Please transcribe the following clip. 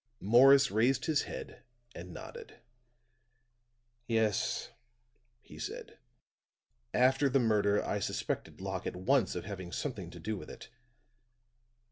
Morris raised his head and nodded. "Yes," he said. "After the murder I suspected Locke at once of having something to do with it.